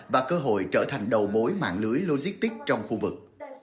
và trở thành đầu mối mạng lưới logistics trong khu vực